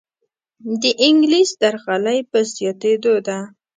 دانګلیس درغلۍ په زیاتیدو ده.